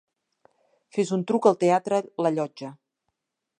Fes un truc al teatre la Llotja.